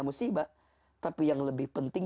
musibah tapi yang lebih penting